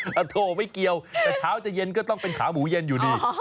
โถไม่เกี่ยวแต่เช้าจะเย็นก็ต้องเป็นขาหมูเย็นอยู่ดี